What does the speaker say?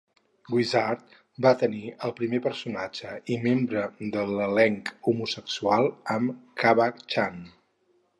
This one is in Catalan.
"Wizard" va tenir el primer personatge i membre de l'elenc homosexual amb Kaba-chan.